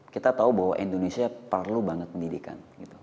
kita tahu bahwa indonesia perlu banget pendidikan